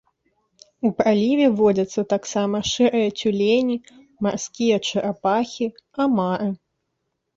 У праліве водзяцца таксама шэрыя цюлені, марскія чарапахі, амары.